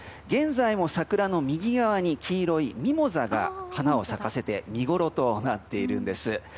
現在も桜の右側に黄色いミモザが花を咲かせて見ごろとなっているんです。